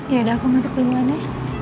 ya udah aku masuk duluan ya